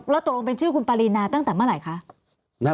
แล้วตกลงเป็นชื่อคุณปารีนาตั้งแต่เมื่อไหร่คะ